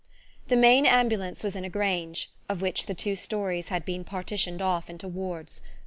The main ambulance was in a grange, of which the two stories had been partitioned off into wards.